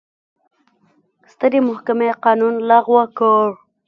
سترې محکمې قانون لغوه کړ.